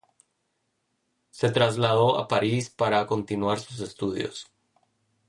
Se trasladó a París para continuar sus estudios.